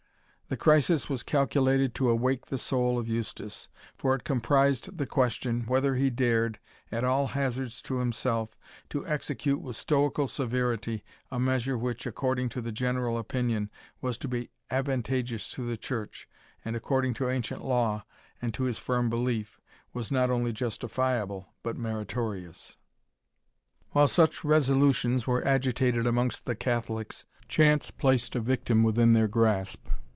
The crisis was calculated to awake the soul of Eustace; for it comprised the question, whether he dared, at all hazards to himself, to execute with stoical severity a measure which, according to the general opinion, was to be advantageous to the church, and, according to ancient law, and to his firm belief, was not only justifiable but meritorious. While such resolutions were agitated amongst the Catholics, chance placed a victim within their grasp.